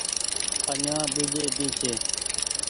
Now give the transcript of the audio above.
آڃآن ۮوجهي ڀي ڇي ۔